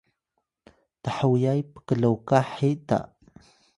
thoyay pklokah he ta